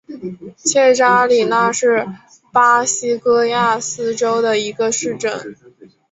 切扎里娜是巴西戈亚斯州的一个市镇。